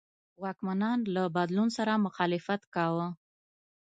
واکمنان له بدلون سره مخالفت کاوه.